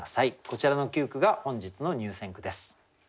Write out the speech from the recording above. こちらの９句が本日の入選句です。